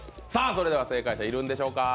それでは正解者いるんでしょうか。